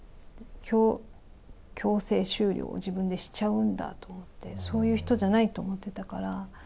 強制終了を自分でしちゃうんだと思って、そういう人じゃないと思ってたから。